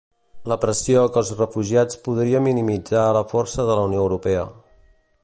La pressió que els refugiats podria minimitzar la força de la Unió Europea.